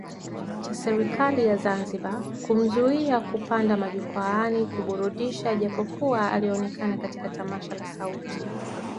cha serikali ya Zanzibar kumzuia kupanda majukwaani kuburudisha japokuwa alionekana katika tamasha la Sauti